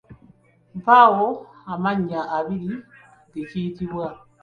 Mpaayo amannya abiri ge kiyitibwa?